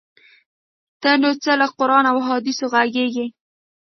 ته نو څه له قران او احادیثو ږغیږې؟!